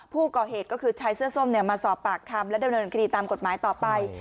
ผู้ก่อเหตุก็คือชายเสื้อส้มมาสอบปากคำและดำเนินคดีตามกฎหมายต่อไป